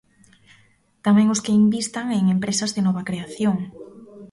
Tamén os que invistan en empresas de nova creación.